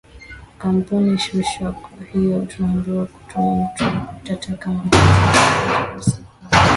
kampuni ShushaKwa hiyo tunaambiwa kuhusu mtu utata kama Guver Dzhon Edgar wasifu wake